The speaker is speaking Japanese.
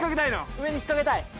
上に引っかけたい。